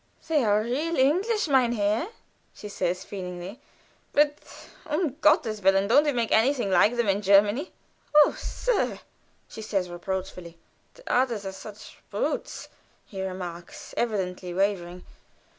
"They are real English, mein Herr," she says, feelingly. "But, um Gotteswillen! don't we make any like them in Germany?" "Oh, sir!" she says, reproachfully. "Those others are such brutes," he remarks, evidently wavering.